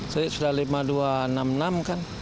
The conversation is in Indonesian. saya sudah lima dua ratus enam puluh enam kan